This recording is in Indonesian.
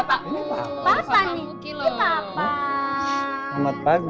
tapi papa ini gak ada niat sih